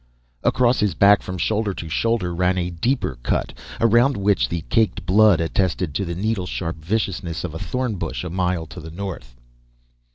Across his back from shoulder to shoulder ran a deeper cut around which the caked blood attested to the needle sharp viciousness of a thorn bush a mile to the north.